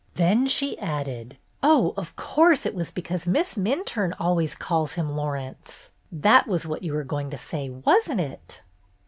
Then she added: " Oh, of course it was because Miss Minturne always calls him — Laurence. That was what you were going to say, was n't it